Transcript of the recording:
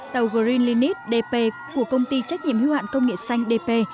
tàu green linis dp của công ty trách nhiệm hưu hạn công nghệ xanh dp